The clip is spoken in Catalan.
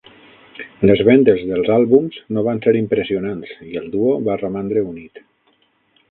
Les vendes dels àlbums no van ser impressionants i el duo va romandre unit.